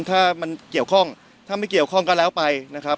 ถ้ามันเกี่ยวข้องถ้าไม่เกี่ยวข้องก็แล้วไปนะครับ